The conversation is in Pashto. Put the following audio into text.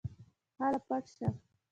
هله پټ شه.